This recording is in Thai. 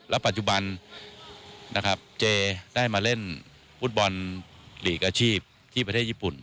ปัจจุบันนะครับเจได้มาเล่นฟุตบอลลีกอาชีพที่ประเทศญี่ปุ่น